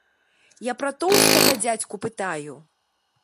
Я пра тоўстага дзядзьку пытаю?!